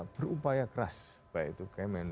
berupaya keras baik itu kemen